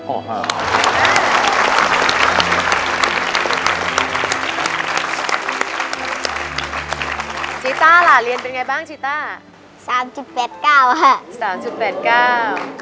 ชิตาล่ะเรียนเป็นอย่างไรบ้างชิตา